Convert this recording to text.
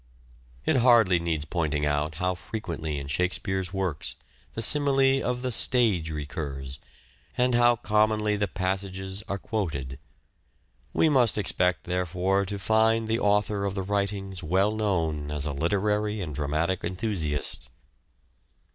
It hardly needs pointing out how frequently in Shakespeare's works, the simile of the " stage " recurs, and how commonly the passages are quoted. We must expect, therefore, to find the author of the writings well known as a literary and dramatic enthusiast.